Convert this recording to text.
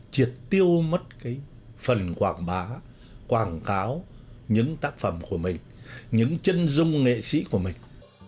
triệt tiêu mất phần quảng bá quảng cáo những tác phẩm của mình những chân dung nghệ sĩ của mình